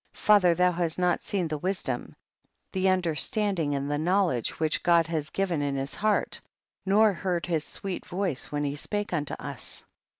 1 4. Father, thou hast not seen the wisdom, the understanding and the knowledge which God has given in his heart, nor heard his sweet voice when he spake unto us.